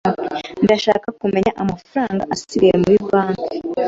Ndashaka kumenya amafaranga asigaye muri banki.